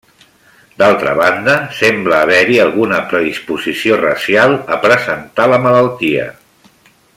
D'altra banda, sembla haver-hi alguna predisposició racial a presentar la malaltia.